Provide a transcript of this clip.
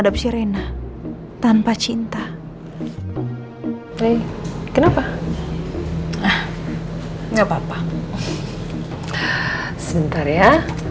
sampai jumpa di video selanjutnya